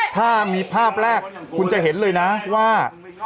ถ้ามีภาพแรกคุณจะเห็นเลยนะว่า